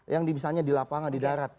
yang misalnya di lapangan di darat